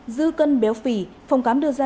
dư cân béo phì phòng cám đưa ra